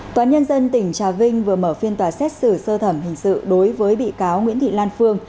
tòa nhân dân tỉnh trà vinh vừa mở phiên tòa xét xử sơ thẩm hình sự đối với bị cáo nguyễn thị lan phương